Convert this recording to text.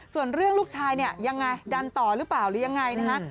ส่วนเรื่องลูกชายเนี่ยยังไงดันต่อหรือเปล่าหรือยังไงนะฮะ